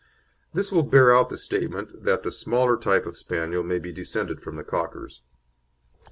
This will bear out the statement that the smaller type of Spaniel may be descended from the Cockers.